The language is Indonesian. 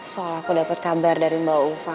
soal aku dapet kabar dari mbak ufa